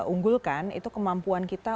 unggulkan itu kemampuan kita